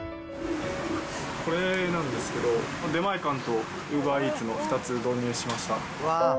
これなんですけど、出前館とウーバーイーツの２つ導入しました。